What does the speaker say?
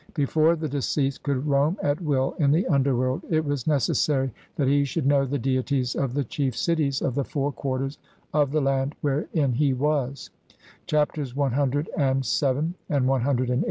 Before the deceased could roam at will in the underworld it was necessary that he should know the deities of the chief cities of the four quarters of the land where in he was ; Chapters CVII and CVIII enabled him to know the "souls of Amentet", (i. e.